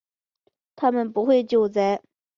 他们不会救灾